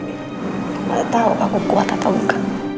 tidak tahu aku kuat atau bukan